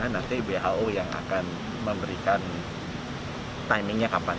nanti who yang akan memberikan timingnya kapan